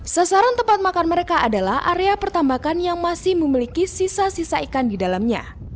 sasaran tempat makan mereka adalah area pertambakan yang masih memiliki sisa sisa ikan di dalamnya